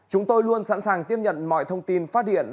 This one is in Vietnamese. chúng tôi luôn sẵn sàng tiếp nhận mọi thông tin phát điện